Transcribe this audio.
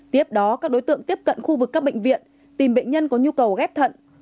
tiếp đó các đối tượng tiếp cận khu vực các bệnh viện tìm bệnh nhân có nhu cầu ghép thận